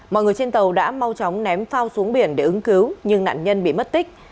mọi người trên tàu đã mau chóng ném phao xuống biển để ứng cứu nhưng nạn nhân bị mất tích